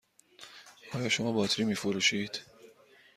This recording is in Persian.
آیا شما باطری می فروشید؟